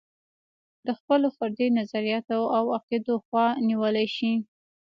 د خپلو فردي نظریاتو او عقدو خوا نیولی شي.